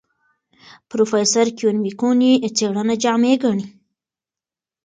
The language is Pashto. پروفیسر کیون میکونوی څېړنه جامع ګڼي.